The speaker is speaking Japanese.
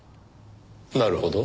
なるほど。